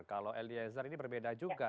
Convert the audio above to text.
kalau eliezer ini berbeda juga